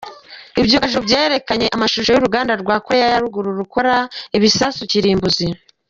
Ibyogajuru byerekanye amashusho y’uruganda rwa Koreya ya ruguru rukora ibisasu kirimbuzi